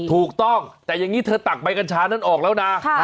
ถูกต้องแต่อย่างนี้เธอตักใบกัญชานั้นออกแล้วนะ